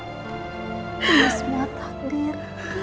ini semua takdir